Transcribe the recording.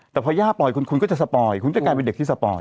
แต่พอยาปล่อยคุณคุณไม่ใช่ตัวเด็กที่สพอย